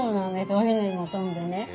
おひねりも飛んでね。